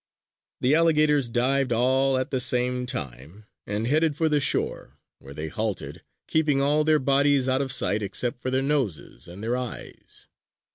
The alligators dived all at the same time, and headed for the shore, where they halted, keeping all their bodies out of sight except for their noses and their eyes.